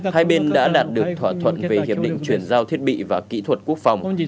hai bên đã đạt được thỏa thuận về hiệp định chuyển giao thiết bị và kỹ thuật quốc phòng